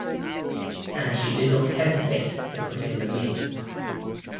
And she did not hesitate to put in the means.